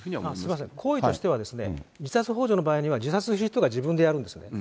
すみません、行為としては自殺ほう助の場合には自殺をする人が自分でやるんですよね。